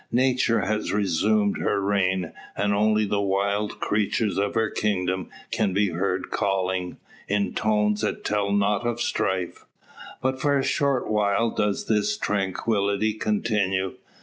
Nature has resumed her reign, and only the wild creatures of her kingdom can be heard calling, in tones that tell not of strife. But for a short while does this tranquillity continue.